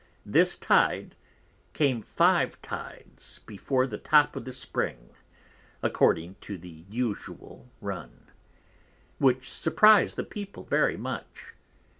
This Tyde came 5 Tydes before the top of the Spring, according to the usual run, which surprized the People very much.